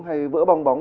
hay vỡ bong bóng